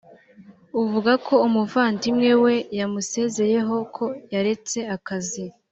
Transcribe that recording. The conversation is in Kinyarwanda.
uvuga ko umuvandimwe we yamusezeyeho ko yaretse akazi